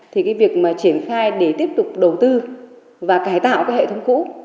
thì cái việc mà triển khai để tiếp tục đầu tư và cải tạo cái hệ thống cũ